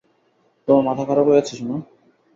তোমার মাথা খারাপ হয়ে গেছে, সোনা?